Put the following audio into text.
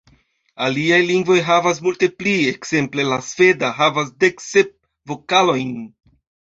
Aliaj lingvoj havas multe pli, ekzemple la sveda havas dek sep vokalojn.